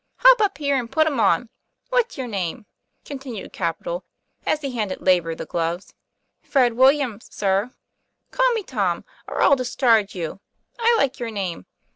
Hop up here and put 'em on. What's your name ?" continued Capital, as he handed Labor the gloves. "Fred Williams, sir." " Call me Tom, or I'll discharge you. I like your name.